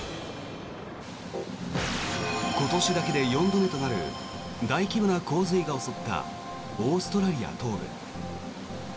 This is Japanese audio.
今年だけで４度目となる大規模な洪水が襲ったオーストラリア東部。